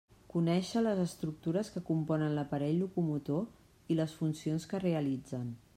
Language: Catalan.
Conéixer les estructures que componen l'aparell locomotor i les funcions que realitzen.